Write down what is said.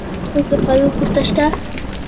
آیا څوک له قانون پورته شته؟